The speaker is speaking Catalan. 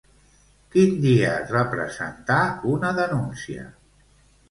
Quin dia es va presentar una denúncia?